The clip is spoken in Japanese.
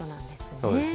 そうですね。